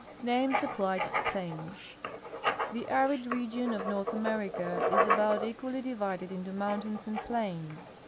NAMES APPLIED TO PLAINS The arid region of North America is about equally divided into mountains and plains.